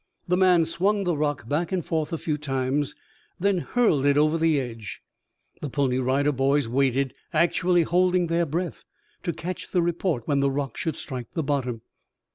The man swung the rock back and forth a few times, then hurled it over the edge. The Pony Rider Boys waited, actually holding their breath, to catch the report when the rock should strike the bottom.